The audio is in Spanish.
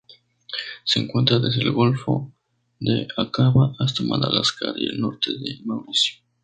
Se encuentra desde el Golfo de Aqaba hasta Madagascar y el norte de Mauricio.